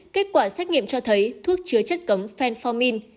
kết quả xét nghiệm cho thấy thuốc chứa chất cấm fanformin